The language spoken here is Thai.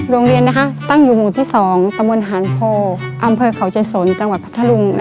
โรงเรียนตั้งอยู่หมู่ที่๒ตะบนหานโพอำเภอเขาใจสนจังหวัดพัทธลุง